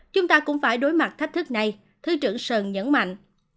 chúng ta cũng phải đối mặt thách thức này thứ trưởng sơn nhấn mạnh